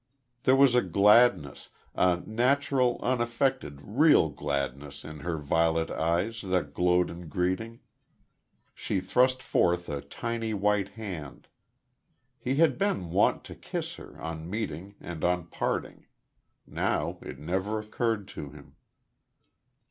There was a gladness a natural, unaffected, real gladness in her violet eyes that glowed in greeting. She thrust forth a tiny white hand.... He had been wont to kiss her, on meeting and on parting. Now it never occurred to him.